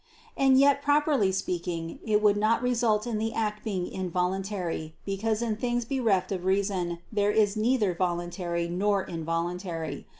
And yet properly speaking it would not result in the act being involuntary, because in things bereft of reason, there is neither voluntary nor involuntary.